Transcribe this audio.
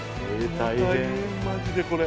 大変マジでこれ。